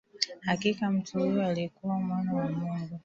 Hakika mtu huyu alikuwa Mwana wa Mungu